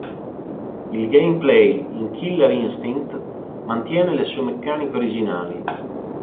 Il gameplay in Killer Instinct mantiene le sue meccaniche originali.